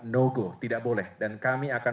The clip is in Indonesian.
no go tidak boleh dan kami akan